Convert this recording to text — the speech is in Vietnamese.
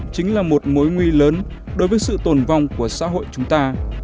chính là một mối nguy lớn đối với sự tồn vong của xã hội chúng ta